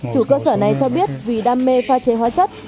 chủ cơ sở này cho biết vì đam mê pha chế hóa chất